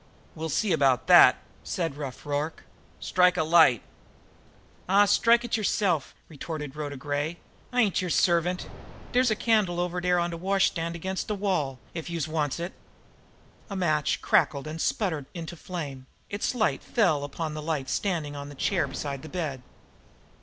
"We'll see about that!" said Rough Rorke shortly. "Strike a light!" "Aw, strike it yerself!" retorted Rhoda Gray. "I ain't yer servant! Dere's a candle over dere on de washstand against de wall, if youse wants it." A match crackled and spurted into flame; its light fell upon the lamp standing on the chair beside the bed.